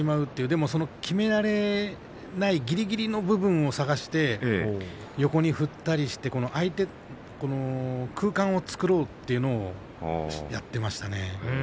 でも、きめられないぎりぎりの部分を探して横に振ったりして空間を作ろうとやってましたね。